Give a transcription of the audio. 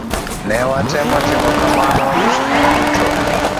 Ne watemo timo kamano gi chunywa duto.